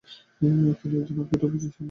তিনি একজন আম্পায়ারের হয়ে উপস্থিত ছিলেন।